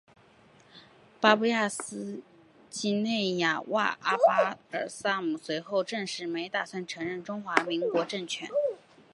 巴布亚新几内亚外长阿巴尔萨姆随后证实没打算承认中华民国政权。